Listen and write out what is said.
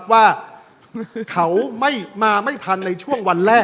ว่าเขาไม่มาไม่ทันในช่วงวันแรก